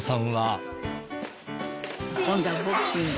「今度はボクシングだ」